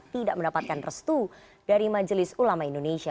tidak mendapatkan restu dari majelis ulama indonesia